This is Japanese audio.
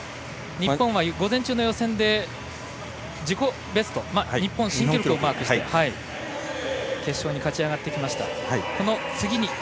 日本は午前中の予選で日本新記録をマークして決勝に勝ち上がってきました。